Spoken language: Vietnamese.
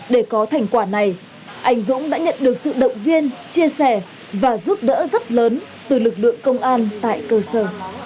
để có thành quả này anh dũng đã nhận được sự động viên chia sẻ và giúp đỡ rất lớn từ lực lượng công an tại cơ sở